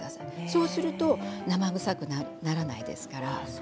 そうすると生臭くならないですから。